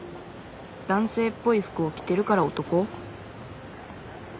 男性っぽい服を着てるから男？